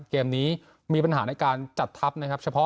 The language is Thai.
เกมนี้มีปัญหาในการจัดทัพนะครับเฉพาะ